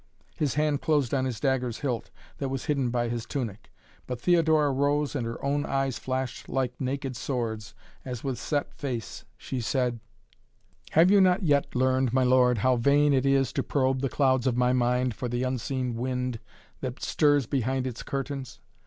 His hand closed on his dagger's hilt that was hidden by his tunic, but Theodora rose and her own eyes flashed like naked swords as with set face she said: "Have you not yet learned, my lord, how vain it is to probe the clouds of my mind for the unseen wind that stirs behind its curtains?